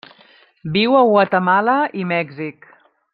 Viu a Guatemala i Mèxic.